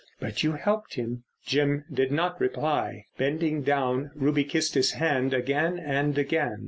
But you helped him." Jim did not reply. Bending down Ruby kissed his hand again and again.